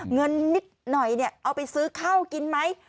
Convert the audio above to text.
เงินนิดหน่อยเอาไปซื้อข้าวกินไหม